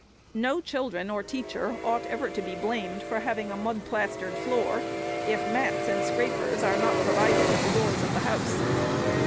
No children or teacher ought ever to be blamed for having a mud plastered floor, if mats and scrapers are not placed at the doors of the house.